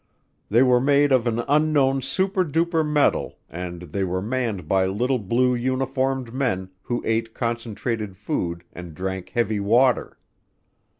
They were made of an unknown super duper metal and they were manned by little blue uniformed men who ate concentrated food and drank heavy water.